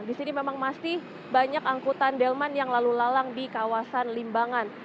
di sini memang masih banyak angkutan delman yang lalu lalang di kawasan limbangan